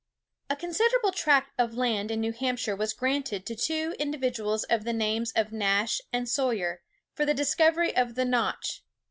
A considerable tract of land in New Hampshire was granted to two individuals of the names of Nash and Sawyer, for the discovery of "the Notch."